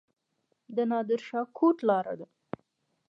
د نادر شاه کوټ لاره ده